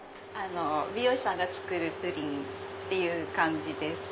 美容師さんが作るプリンっていう感じです。